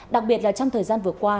đặc biệt là trong thời gian vừa qua